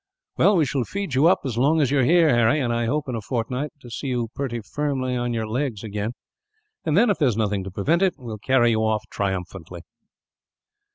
"Well, we shall feed you up as long as you are here, Harry; and I hope, in a fortnight, to see you pretty firm on your legs again; and then, if there is nothing to prevent it, we will carry you off triumphantly."